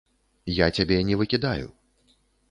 Я цябе не выкідаю.